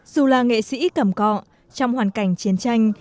dù là nghệ sĩ cầm cọ trong hoàn cảnh chiến tranh